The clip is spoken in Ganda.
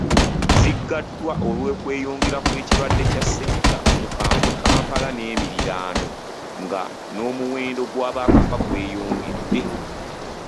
Ziggaddwa olw’okweyongera kw’ekirwadde kya ssennyiga omukambwemu Kampala n’emiriraano nga n’omuwendo gw’abaakafa gweyongedde.